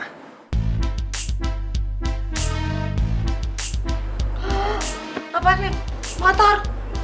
hah apa nek motor